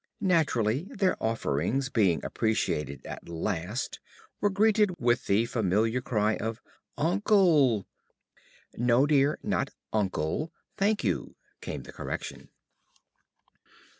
Naturally their offerings, being appreciated at last, were greeted with the familiar cry of "Uncle," "No, dear, not 'Uncle,' 'Thank you,'" came the correction.